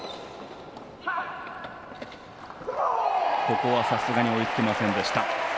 ここはさすがに追いつけませんでした。